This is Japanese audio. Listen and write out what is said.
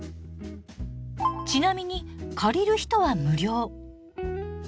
ちなみに借りる人は無料。